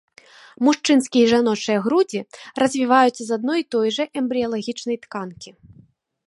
Мужчынскія і жаночыя грудзі развівацца з адной і той жа эмбрыялагічнай тканкі.